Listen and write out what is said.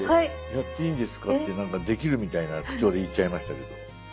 やっていいですかってできるみたいな口調で言っちゃいましたけど。